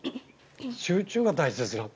集中が大事です。